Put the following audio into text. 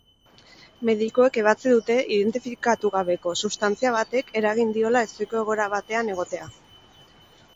Medikuek ebatzi dute identifikatu gabeko substantzia batek eragin diola ezohiko egoera batean egotea.